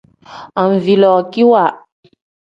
Anvilookiwa.